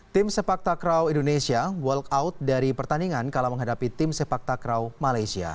tim sepak takraw indonesia walk out dari pertandingan kala menghadapi tim sepak takraw malaysia